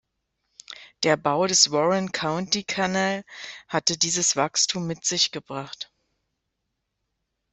Der Bau des Warren County Canal hatte dieses Wachstum mit sich gebracht.